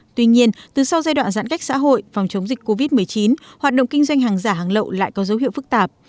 tuy nhiên từ sau giai đoạn giãn cách xã hội phòng chống dịch covid một mươi chín hoạt động kinh doanh hàng giả hàng lậu lại có dấu hiệu phức tạp